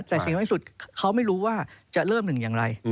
แต่สิ่งน้อยที่สุดเขาไม่รู้ว่าจะเริ่มหนึ่งอย่างไร